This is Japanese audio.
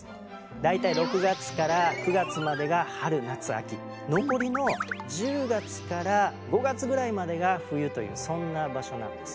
大体６月９月までが春夏秋残りの１０月５月ぐらいまでが冬というそんな場所なんです。